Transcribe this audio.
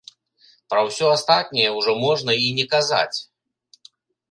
Пра ўсё астатняе ўжо можна і не казаць.